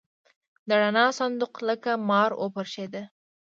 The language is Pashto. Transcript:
د رڼا صندوق لکه مار وپرشېده.